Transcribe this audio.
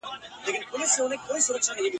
لپاره هڅي کوي